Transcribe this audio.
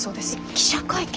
記者会見？